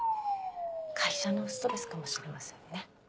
会社のストレスかもしれませんね。